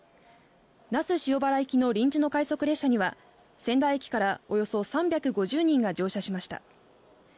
那須塩原行きの臨時の快速列車には仙台駅からおよそ３５０人が乗車しました。